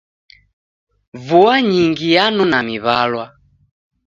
Vua nyingi yanona miw'alwa.